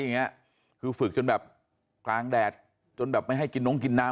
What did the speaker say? ยันฝึกจนแบบกลางแดดไม่ให้กินน้องกินน้ำ